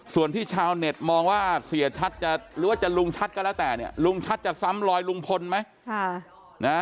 ส่วนที่ชาวเน็ตมองว่าเสียชัดจะหรือว่าจะลุงชัดก็แล้วแต่เนี่ยลุงชัดจะซ้ำลอยลุงพลไหม